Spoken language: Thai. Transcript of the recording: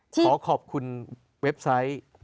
ขอขอบคุณเว็บไซต์